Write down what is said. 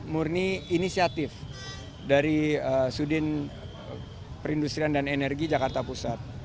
murni inisiatif dari sudin perindustrian dan energi jakarta pusat